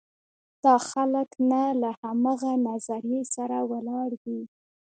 دا خلک نه له همغه نظریې سره ولاړ دي.